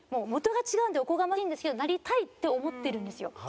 元が違うんでおこがましいんですけどなりたいって思ってるんですよ。